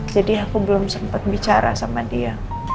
jadi aku belum sempat bicara sama dia